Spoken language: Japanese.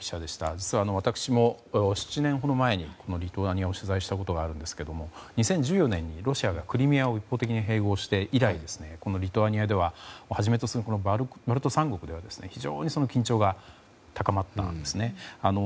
実は、私も７年ほど前にリトアニアを取材したことがあるんですが２０１４年にロシアがクリミアを一方的に併合して以来このリトアニアをはじめとするバルト三国では非常に緊張が高まったんですね。